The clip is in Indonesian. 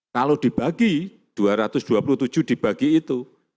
kalau dibagi dua ratus dua puluh tujuh dibagi itu